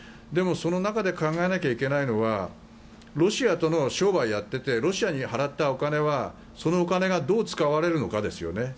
でも、その中で考えないといけないのはロシアと商売をやっててロシアに払ったお金はそのお金がどう使われるのかですよね。